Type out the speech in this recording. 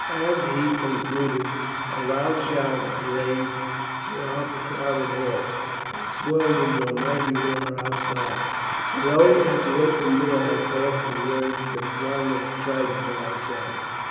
As he concluded a loud shout was raised throughout the crowded hall, and swelled into a mighty roar outside, for those at the open door had passed his words to the throng of tribesmen outside.